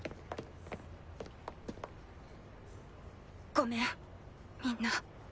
ごめんみんな。